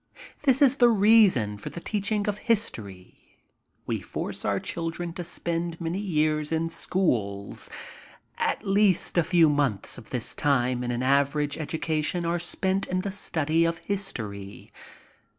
This is the reason for the teaching of history. We force our children to spend many years in school. At least a few months of this time in an average education are spent in the study of history.